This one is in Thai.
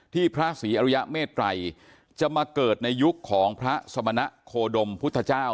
พระศรีอริยเมตรัยจะมาเกิดในยุคของพระสมณะโคดมพุทธเจ้า